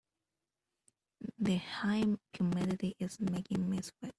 The high humidity is making me sweat.